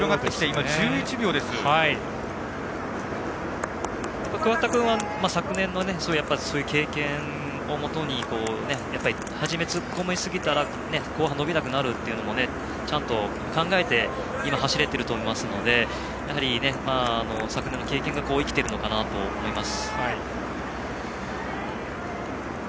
やはり、桑田君は昨年の経験をもとに初めに突っ込みすぎたら後半伸びなくなるというのはちゃんと考えて今は走れていると思いますので昨年の経験が生きているのかなと思います。